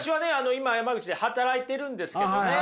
今山口で働いてるんですけどね